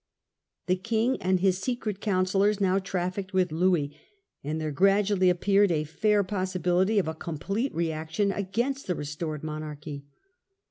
The king and his secret councillors now trafficked with Louis, and there gradually appeared a fair possibility of a complete reaction against the restored monarchy.